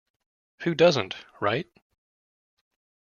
Who doesn't, right?